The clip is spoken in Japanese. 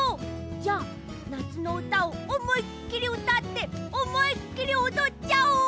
じゃあなつのうたをおもいっきりうたっておもいっきりおどっちゃおう！